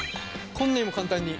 こんなにも簡単に。